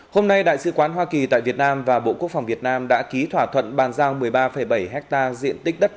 hôm nay đại sứ quán hoa kỳ tại việt nam và bộ quốc phòng việt nam đã ký thỏa thuận bàn giao một mươi ba bảy ha diện tích đất